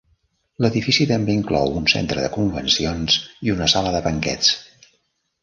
L'edifici també inclou un centre de convencions i una sala de banquets.